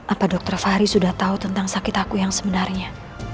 apa dokter fahri sudah tahu tentang sakit aku yang sebenarnya